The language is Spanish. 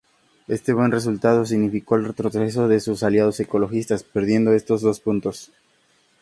Este buen resultado significó el retroceso de sus aliados ecologistas, perdiendo estos dos puntos.